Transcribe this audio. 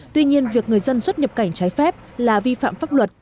tuy nhiên việc người dân xuất nhập cảnh trái phép là vi phạm pháp luật